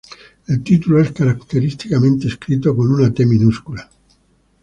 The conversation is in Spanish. El título es característicamente escrito con una T minúscula.